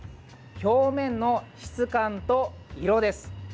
表面の質感と色です。